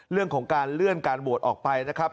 เรื่องของการเลื่อนการโหวตออกไปนะครับ